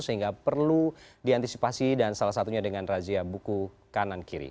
sehingga perlu diantisipasi dan salah satunya dengan razia buku kanan kiri